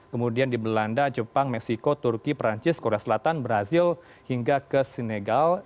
kemudian di belanda jepang meksiko turki perancis korea selatan brazil hingga ke sinegal